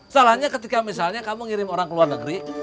salahnya ketika misalnya kamu ngirim orang ke luar negeri